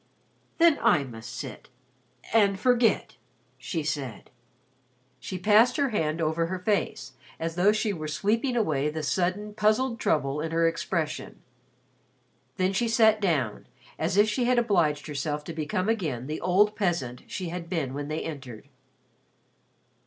"Then I must sit and forget," she said. She passed her hand over her face as though she were sweeping away the sudden puzzled trouble in her expression. Then she sat down, as if she had obliged herself to become again the old peasant she had been when they entered.